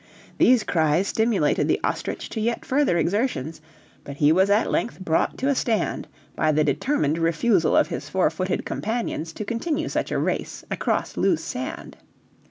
These cries stimulated the ostrich to yet further exertions, but he was at length brought to a stand by the determined refusal of his four footed companions to continue such a race across loose sand.